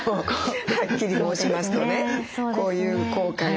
はっきり申しますとねこういう効果が。